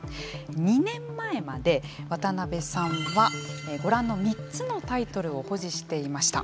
２年前まで、渡辺さんはご覧の３つのタイトルを保持していました。